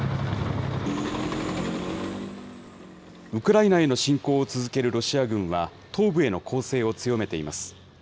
ウクライナへの侵攻を続けるロシア軍は、東部への攻勢を強めています。